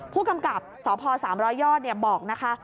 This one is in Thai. ผู้กำกับสพ๓๐๐ยอดบอกนะคะ